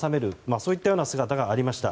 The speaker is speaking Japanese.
そういった姿がありました。